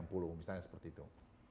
misalnya seperti itu